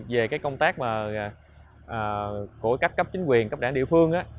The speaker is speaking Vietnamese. về công tác của các cấp chính quyền cấp đảng địa phương